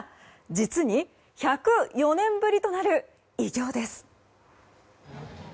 実に１０４年ぶりとなる偉業です。